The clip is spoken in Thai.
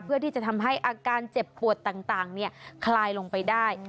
เพื่อที่จะทำให้อาการเจ็บปวดต่างคลายลงไปได้